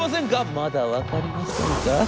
『まだ分かりませんか。